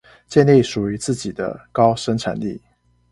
建立屬於自己的高生產力